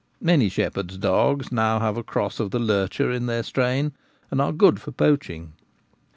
Many shepherds' dogs now have a cross of the lurcher in their strain, and are good at poaching.